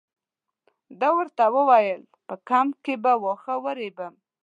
ده ورته وویل په کمپ کې به واښه ورېبم.